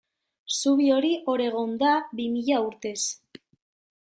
Zubi hori hor egon da bi mila urtez.